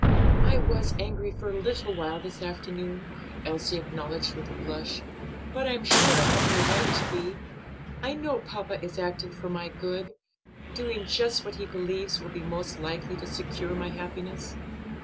"I was angry for a little while this afternoon," Elsie acknowledged with a blush, "but I am sure I have no right to be; I know papa is acting for my good, doing just what he believes will be most likely to secure my happiness.